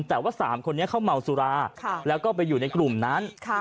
แต่ว่า๓คนนี้เขาเมาสุราแล้วก็ไปอยู่ในกลุ่มนั้น